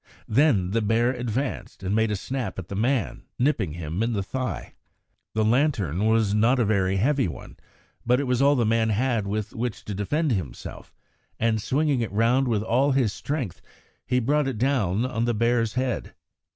Then the bear advanced and made a snap at the man, nipping him in the thigh. The lantern was not a very heavy one, but it was all the man had with which to defend himself, and, swinging it round with all his strength, he brought it down on the bear's head.